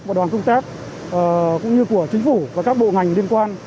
và đoàn công tác cũng như của chính phủ và các bộ ngành liên quan